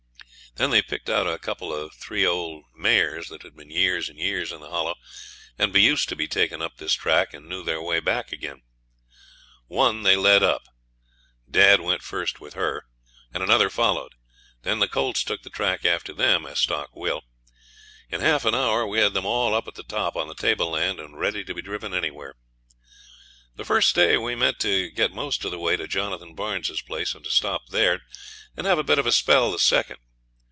Then they picked out a couple or three old mares that had been years and years in the Hollow, and been used to be taken up this track and knew their way back again. One they led up; dad went first with her, and another followed; then the colts took the track after them, as stock will. In half an hour we had them all up at the top, on the tableland, and ready to be driven anywhere. The first day we meant to get most of the way to Jonathan Barnes's place, and to stop there, and have a bit of a spell the second.